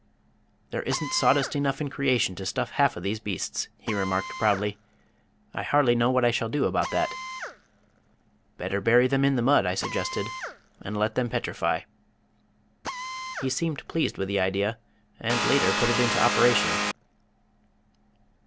"There isn't sawdust enough in creation to stuff half of these beasts," he remarked proudly. "I hardly know what I shall do about that." "Better bury them in the mud," I suggested, "and let them petrify." He seemed pleased with the idea, and later put it into operation.